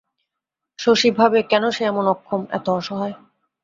শশী ভাবে, কেন সে এমন অক্ষম, এত অসহায়?